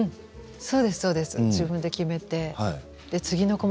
そうです、そうです自分で決めて。